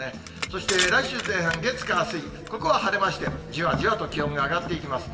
そして、来週前半、月、火、水、ここは晴れまして、じわじわと気温が上がっていきます。